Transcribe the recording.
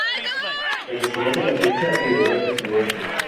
Se desconoce la fecha y el lugar de su muerte.